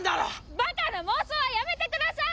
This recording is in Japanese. バカな妄想はやめてください！